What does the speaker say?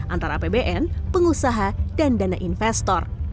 antara apbn pengusaha dan dana investor